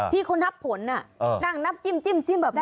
พี่เขานับผลนั่งนับจิ้มแบบนี้